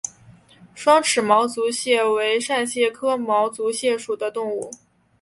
双齿毛足蟹为扇蟹科毛足蟹属的动物。